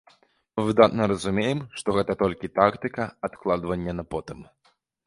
Мы выдатна разумеем, што гэта толькі тактыка адкладвання на потым.